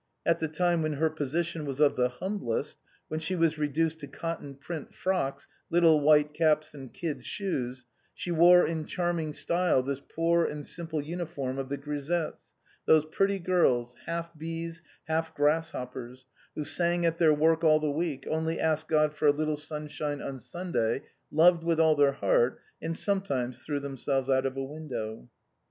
At the time when her position was of the humblest, when she was reduced to cotton print frocks, little white caps and kid shoes, she wore in charming style this poor and simple uniform of the grisettes, those pretty girls, half bees, half grasshoppers, who sang at their work all the week, only asked God for a little sunshine on Sunday, loved with all their heart, and sometimes threw themselves out of a window.